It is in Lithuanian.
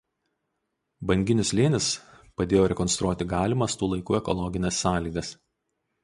Banginių slėnis padėjo rekonstruoti galimas tų laikų ekologines sąlygas.